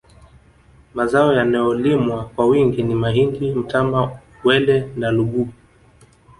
Mazao yanayolimwa kwa wingi ni mahindi mtama uwele na lugugu